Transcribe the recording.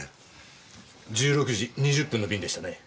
１６時２０分の便でしたね？